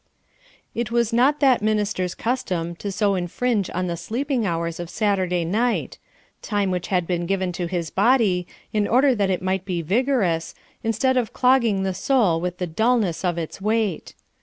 It was not that minister's custom to so infringe on the sleeping hours of Saturday night time which had been given to his body, in order that it might be vigorous, instead of clogging the soul with the dullness of its weight.